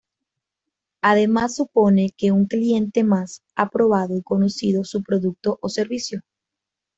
Además, supone que un "cliente" más, ha probado y conocido su producto o servicio.